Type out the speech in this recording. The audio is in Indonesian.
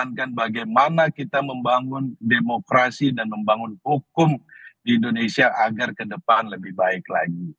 kita menjalankan bagaimana kita membangun demokrasi dan membangun hukum di indonesia agar ke depan lebih baik lagi